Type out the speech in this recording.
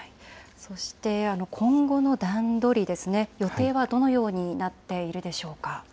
そして今後の段取りですね、予定はどのようになっているでしょうか。